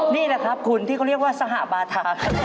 นี่แหละครับคุณที่เขาเรียกว่าสหบาทา